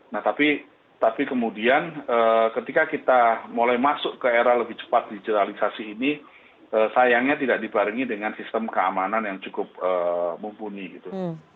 nah tapi kemudian ketika kita mulai masuk ke era lebih cepat digitalisasi ini sayangnya tidak dibarengi dengan sistem keamanan yang cukup mumpuni gitu